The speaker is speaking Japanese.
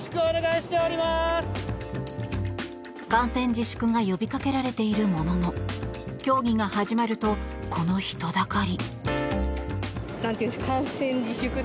観戦自粛が呼びかけられているものの競技が始まるとこの人だかり。